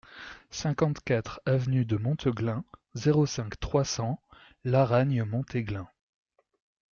cinquante-quatre avenue de Monteglin, zéro cinq, trois cents, Laragne-Montéglin